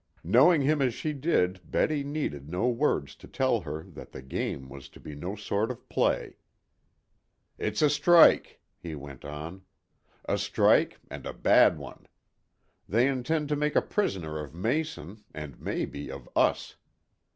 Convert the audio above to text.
Knowing him as she did Betty needed no words to tell her that the "game" was to be no sort of play. "It's a 'strike,'" he went on. "A strike, and a bad one. They intend to make a prisoner of Mason, and, maybe, of us.